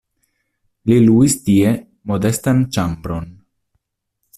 Li luis tie modestan ĉambron.